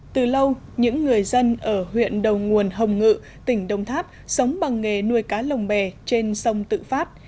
từ lâu những người dân ở huyện đầu nguồn hồng ngự tỉnh đông tháp sống bằng nghề nuôi cá lồng bè trên sông tự phát